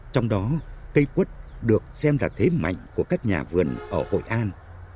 trong đó cây quất được xem là thế mạnh của các nhà vườn ở hội an